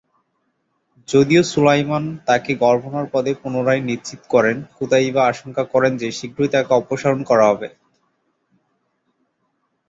যদিও সুলায়মান তাকে গভর্নর পদে পুনরায় নিশ্চিত করেন, কুতাইবা আশঙ্কা করেন যে শীঘ্রই তাকে অপসারণ করা হবে।